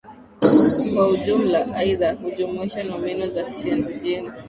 Kwa ujumla, aidha, hujumuisha nomino za kitenzi-jina.